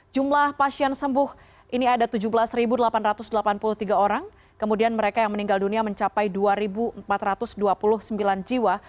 jumlah pasien sembuh ini ada tujuh belas delapan ratus delapan puluh tiga orang kemudian mereka yang meninggal dunia mencapai dua empat ratus dua puluh sembilan jiwa